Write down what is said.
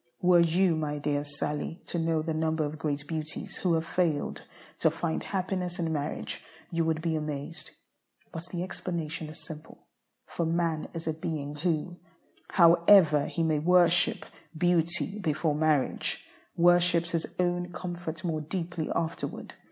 Were you, my dear Sallie, to know the number of great beauties who have failed to find happiness in marriage, you would be amazed. But the explanation is simple; for man is a being who, however he may worship beauty before marriage, worships his own comfort more deeply afterward.